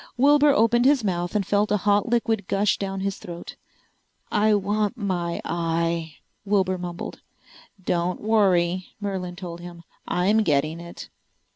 Wilbur opened his mouth and felt a hot liquid gush down his throat. "I want my eye," Wilbur mumbled. "Don't worry," Merlin told him. "I'm getting it."